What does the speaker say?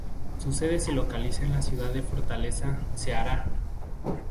Su sede se localiza en la ciudad de Fortaleza, Ceará.